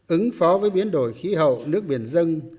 ứng phó với biến đổi khí hậu nước biển dân